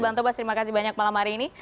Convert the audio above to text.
bang tobas terima kasih banyak malam hari ini